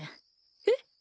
えっ？